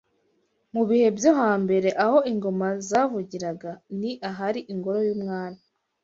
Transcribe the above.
mu bihe byo ha mbere Aho ingoma zavugiraga ni ahari ingoro y’umwami